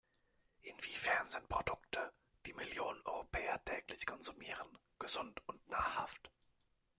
Inwiefern sind Produkte, die Millionen Europäer täglich konsumieren, gesund und nahrhaft?